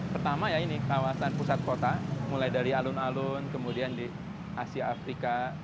pertama ya ini kawasan pusat kota mulai dari alun alun kemudian di asia afrika